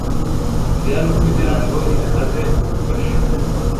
Ndi hano kugirango ngusabe ubufasha .